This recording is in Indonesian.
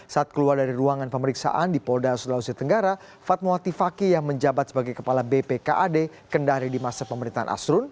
saat keluar dari ruangan pemeriksaan di polda sulawesi tenggara fatmawati fakih yang menjabat sebagai kepala bpkad kendari di masa pemerintahan asrun